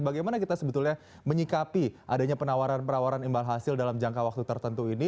bagaimana kita sebetulnya menyikapi adanya penawaran penawaran imbal hasil dalam jangka waktu tertentu ini